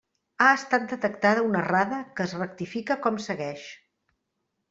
Ha estat detectada una errada que es rectifica com segueix.